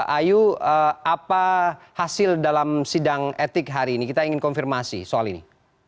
ayu apa hasil dalam sidang etik hari ini kita ingin konfirmasi soal ini